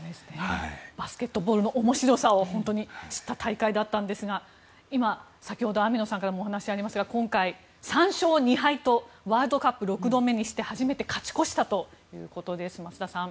バスケットボールの面白さを本当に知った大会だったんですが今、先ほど網野さんからもお話がありましたが今回、３勝２敗とワールドカップ６度目にして初めて勝ち越したということです増田さん。